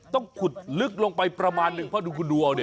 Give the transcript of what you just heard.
ต้องขุดลึกลงไปประมาณหนึ่งเพราะดูคุณดูเอาดิ